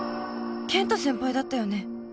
健太先輩だったよね？